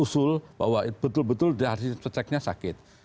usul bahwa betul betul diharusin seceknya sakit